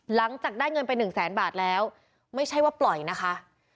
หลังจากได้เงินไปหนึ่งแสนบาทแล้วไม่ใช่ว่าปล่อยนะคะ